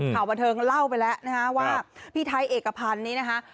ข่าวบันเทิงเล่าไปแล้วนะฮะว่าพี่ไทยเอกพันธ์นี้นะคะ